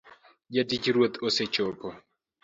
Jatich ruoth osechopo